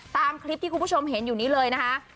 ตามคลิปที่คุณผู้ชมเห็นอยู่นี้เลยนะคะ